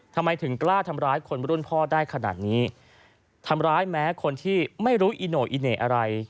ทำไมถึงกล้าทำร้ายคนรุ่นพ่อได้ขนาดนี้ทำร้ายแม้คนที่ไม่รู้อีโน่อีเหน่อะไร